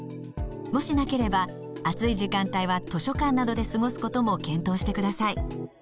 もしなければ暑い時間帯は図書館などで過ごすことも検討してください。